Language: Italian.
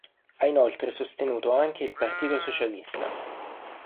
Ha inoltre sostenuto anche il Partito Socialista.